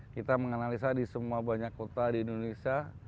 kita menganalisa di semua banyak kota di indonesia